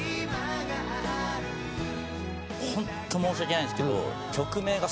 ホント申し訳ないんですけど。